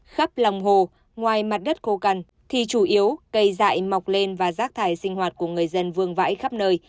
khắp lòng hồ ngoài mặt đất khô cằn thì chủ yếu cây dại mọc lên và rác thải sinh hoạt của người dân vương vãi khắp nơi